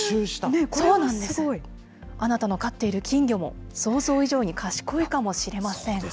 これはすごい。あなたの飼っている金魚も想像以上に賢いかもしれません。